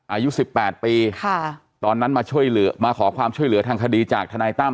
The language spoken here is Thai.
อายุ๑๘ปีค่ะตอนนั้นมาช่วยเหลือมาขอความช่วยเหลือทางคดีจากทนายตั้ม